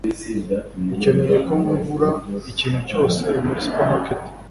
ukeneye ko ngura ikintu cyose muri supermarket